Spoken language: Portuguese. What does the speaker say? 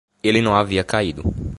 Ele não havia caído